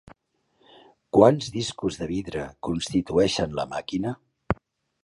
Quants discos de vidre constitueixen la màquina?